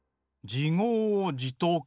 「じごうじとく」。